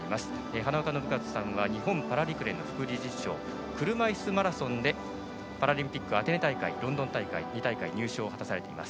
花岡伸和さんは日本パラ陸連の副理事長車いすマラソンでパラリンピックアテネ大会ロンドン大会、２大会入賞を果たされています。